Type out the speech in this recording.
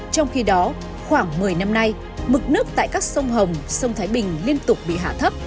trong khi đó khoảng một mươi năm nay mực nước tại các sông hồng sông thái bình liên tục bị hạ thấp